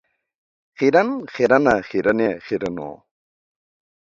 خیرن، خیرنه ،خیرنې ، خیرنو .